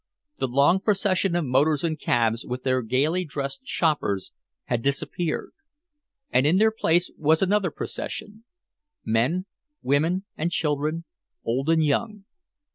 The long procession of motors and cabs with their gaily dressed shoppers had disappeared, and in their place was another procession, men, women and children, old and young.